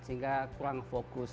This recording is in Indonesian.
sehingga kurang fokus